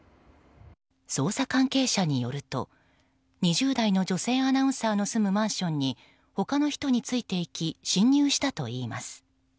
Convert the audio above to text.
捜査関係者によると２０代の女性アナウンサーの住むマンションに他の人についていき侵入したといいます。